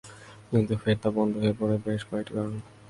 কিন্তু ফের তা বন্ধ হয়ে পরে বেশ কয়েকটি কারণে।